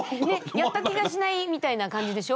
やった気がしないみたいな感じでしょ？